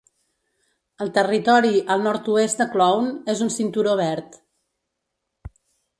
El territori al nord-oest de Clowne és un cinturó verd.